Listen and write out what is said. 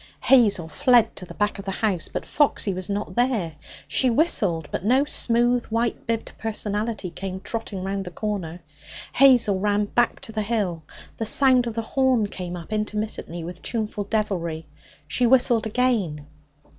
Hazel fled to the back of the house, but Foxy was not there. She whistled, but no smooth, white bibbed personality came trotting round the corner. Hazel ran back to the hill. The sound of the horn came up intermittently with tuneful devilry. She whistled again.